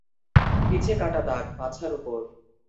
পিছে কাটা দাগ, পাছার উপর।